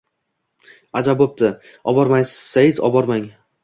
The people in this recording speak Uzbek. Ajab bo‘pti, obormasayiz obormang.